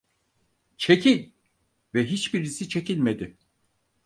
"Çekil!" ve hiçbirisi çekilmedi…